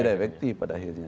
tidak efektif pada akhirnya